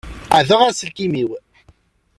Qaɛdeɣ aselkim-iw.